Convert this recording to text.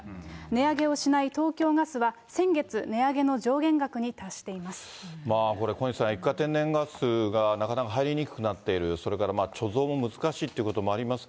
値上げをしない東京ガスは先月、これ、小西さん、液化天然ガスがなかなか入りにくくなっている、それから貯蔵も難しいということもあります